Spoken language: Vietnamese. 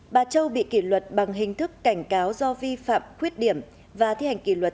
bà châu bị kỷ luật bằng hình thức cảnh cáo do vi phạm khuyết điểm và thi hành kỷ luật